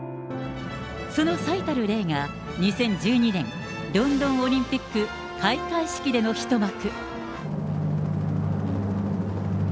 その最たる例が２０１２年ロンドンオリンピック開会式での一幕。